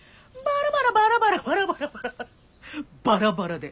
「バラバラバラバラバラ」バラバラで。